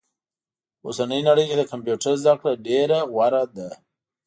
په اوسني نړئ کي د کمپيوټر زده کړه ډيره غوره ده